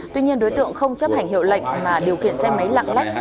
tuy nhiên đối tượng không chấp hành hiệu lệnh mà điều khiển xe máy lạng lách